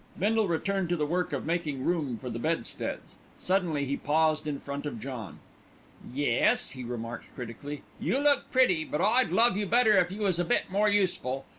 Bindle returned to the work of making room for the bedsteads. Suddenly he paused in front of John. "Yes," he remarked critically, "you look pretty; but I'd love you better if you was a bit more useful.